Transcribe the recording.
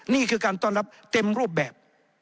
นี่คือการต้อนรับเต็มรูปแบบ